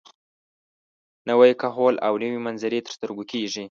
نوی کهول او نوې منظرې تر سترګو کېږي.